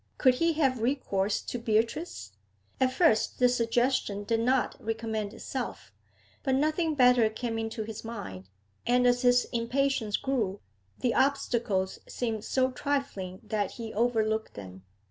Could he have recourse to Beatrice? At first the suggestion did not recommend itself, but nothing better came into his mind, and, as his impatience grew, the obstacles seemed so trifling that he overlooked them.